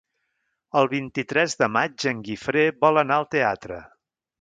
El vint-i-tres de maig en Guifré vol anar al teatre.